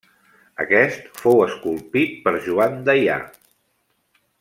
Aquest fou esculpit per Joan Deià.